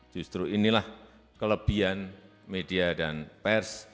justru inilah kelebihan media dan pers